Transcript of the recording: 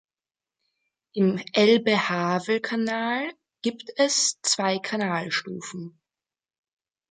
Im Elbe-Havel-Kanal gibt es zwei Kanalstufen.